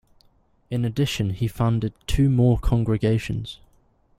In addition he founded two more congregations.